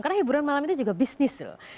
karena hiburan malam itu juga bisnis loh